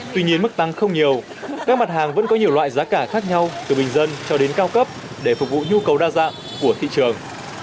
tuy nhiên mức tăng không nhiều các mặt hàng vẫn có nhiều loại giá cả khác nhau từ bình dân cho đến cao cấp để phục vụ nhu cầu đa dạng của thị trường